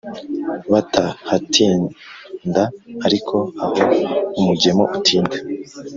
batahatinda ariko aho umugemo utinda